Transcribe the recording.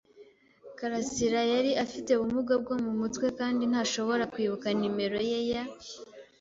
karasira yari afite ubumuga bwo mu mutwe kandi ntashobora kwibuka nimero ye ya